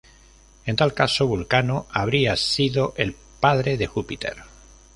En tal caso, Vulcano habría sido el padre de Júpiter.